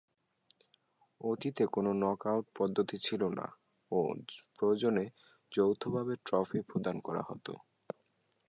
অতীতে কোন নক-আউট পদ্ধতি ছিল না ও প্রয়োজনে যৌথভাবে ট্রফি প্রদান করা হতো।